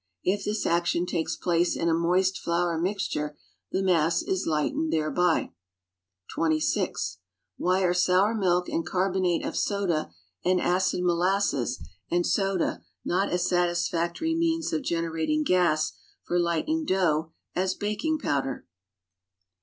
Jf this action takes place in a moist flour mixture the mass is lightened thereby. (26J Why are sour milk and carbonate (jf S(j(Ja and acid molasses and soda not as satisfactory means of generating gas for lighleniug dough as bak ing powder.